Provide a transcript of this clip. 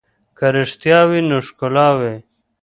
که رښتیا وي نو ښکلا وي.